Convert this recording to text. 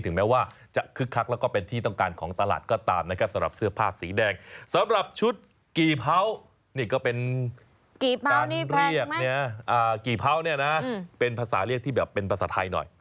ถึงแม้ว่าจะคึกคักแล้วก็เป็นที่ต้องการของตลาดก็ตามนะครับสำหรับเสื้อผ้าสีแดง